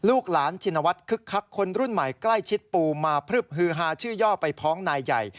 ลูกหลานชินวัฒน์คึกคักคนรุ่นใหม่ใกล้ชิดปูมาพลึบฮือฮาชื่อย่อไปพ้องนายใหญ่